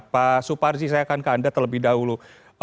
pak suparji saya akan ke anda terlebih dahulu